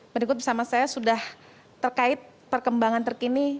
berikut bersama saya sudah terkait perkembangan terkini